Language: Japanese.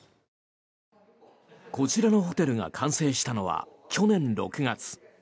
こちらのホテルが完成したのは去年６月。